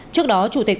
trước đó chủ tịch ubqs